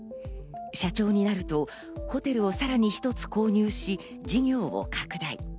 社長になるとホテルをさらに一つ購入し、事業を拡大。